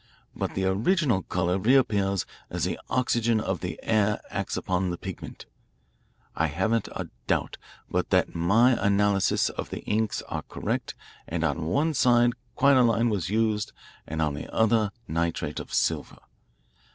But the original colour reappears as the oxygen of the air acts upon the pigment. I haven't a doubt but that my analyses of the inks are correct and on one side quinoline was used and on the other nitrate of silver.